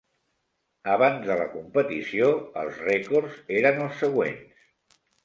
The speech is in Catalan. Abans de la competició, els rècords eren els següents.